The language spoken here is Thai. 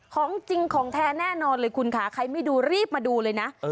ของจริงของแท้แน่นอนเลยคุณค่ะใครไม่ดูรีบมาดูเลยนะ